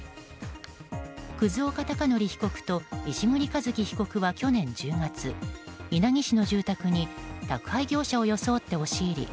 葛岡隆憲被告と石栗一樹被告は去年１０月稲城市の住宅に宅配業者を装って押し入り